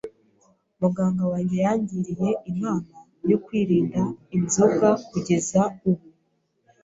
Muganga wanjye yangiriye inama yo kwirinda inzoga kugeza ubu.